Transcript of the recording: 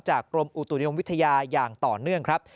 กรมอุตุนิยมวิทยาอย่างต่อเนื่องครับ